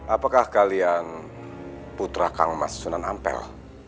apakah kalian putra kang mas sunan ampel